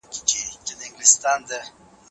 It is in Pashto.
مچان په خوړو کښیني او میکروب انتقالوي.